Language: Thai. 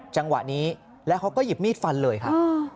จังหวะนี้แล้วเขาก็หยิบมีดฟันเลยครับ